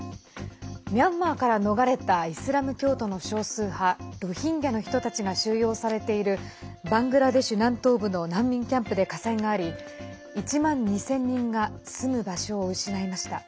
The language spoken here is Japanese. ミャンマーから逃れたイスラム教徒の少数派ロヒンギャの人たちが収容されているバングラデシュ南東部の難民キャンプで火災があり１万２０００人が住む場所を失いました。